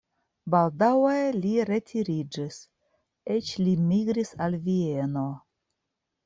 Baldaŭe li retiriĝis, eĉ li migris al Vieno.